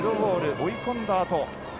追い込んだあと。